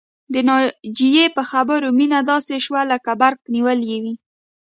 د ناجيې په خبرو مينه داسې شوه لکه برق نيولې وي